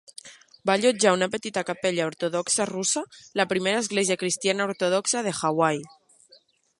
Va allotjar una petita capella ortodoxa russa, la primera església cristiana ortodoxa de Hawaii.